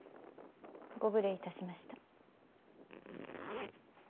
ご無礼いたしました。